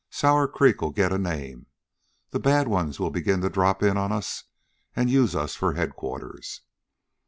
Sour Creek'll get a name. The bad ones will begin to drop in on us and use us for headquarters.